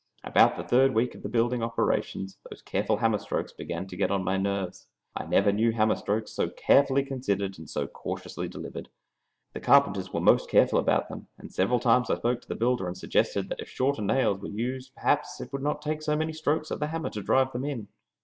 About the third week of the building operations those careful hammer strokes began to get on my nerves. I never knew hammer strokes so carefully considered and so cautiously delivered. The carpenters were most careful about them, and several times I spoke to the builder and suggested that if shorter nails were used perhaps it would not take so many strokes of the hammer to drive them in.